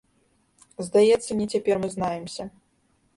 Здаецца, не цяпер мы знаемся.